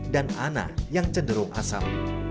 dan ana yang cenderung asam